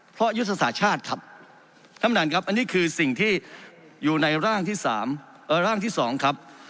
เพราะยุทธศาสตร์ชาติครับอันนี้คือสิ่งที่อยู่ในร่างที่สองครับ